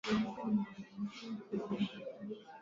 walioweza kusimama mbele ya wafalme na kutetea haki za watu